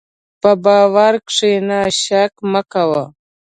په باور کښېنه، شک مه کوه.